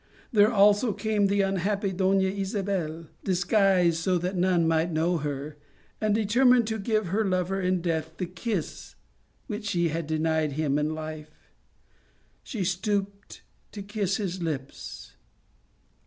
There also came the unhappy Dona Isabel, disguised so that none might know her, and, determined to give her lover in death the kiss which she had denied him in life, she stooped to kiss his lips.